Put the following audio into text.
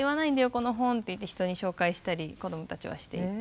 この本」って言って人に紹介したり子どもたちはしていて。